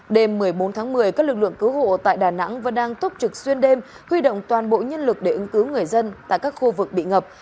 đêm một mươi bốn tháng một mươi các lực lượng cứu hộ tại đà nẵng vẫn đang túc trực xuyên đêm huy động toàn bộ nhân lực để ứng cứu người dân tại các khu vực bị ngập